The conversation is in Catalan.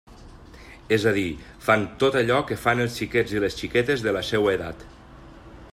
És a dir, fan tot allò que fan els xiquets i les xiquetes de la seua edat.